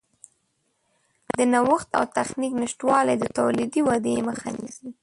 د نوښت او تخنیک نشتوالی د تولیدي ودې مخه نیسي.